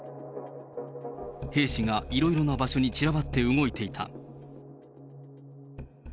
兵士がいろいろな場所に散らばって動いていた。